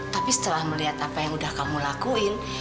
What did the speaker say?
tapi setelah melihat apa yang udah kamu lakuin